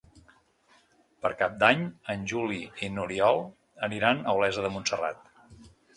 Per Cap d'Any en Juli i n'Oriol aniran a Olesa de Montserrat.